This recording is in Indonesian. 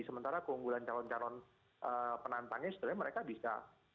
sementara keunggulan calon calon penantangnya sebenarnya mereka bisa menjual janji lagi